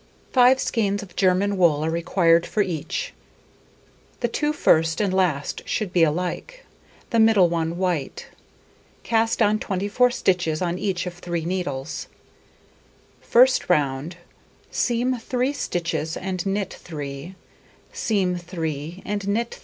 Five skeins of German wool are required for each: the 2 first and last should be alike, the middle one white. Cast on 24 stitches on each of 3 needles. First round: Seam 3 stitches and knit 3, seam 3 and knit 3.